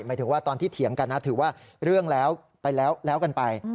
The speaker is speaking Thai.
หมายถึงว่าตอนที่เถียงกันนะถือว่าเรื่องแล้วไปแล้วกันไป